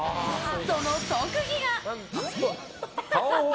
その特技が。